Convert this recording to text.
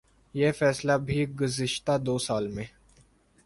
یہ فیصلہ بھی گزشتہ دو سال میں